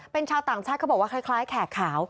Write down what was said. เป็นชาวต่างชาติเขาบอกว่าคล้ายแขกขาว